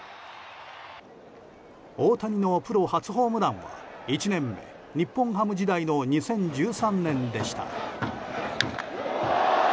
大谷のプロ初ホームランは１年目、日本ハム時代の２０１３年でした。